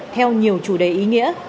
theo nhiều chủ đề ý nghĩa